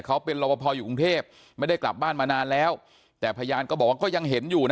เขาเป็นรบพออยู่กรุงเทพไม่ได้กลับบ้านมานานแล้วแต่พยานก็บอกว่าก็ยังเห็นอยู่นะ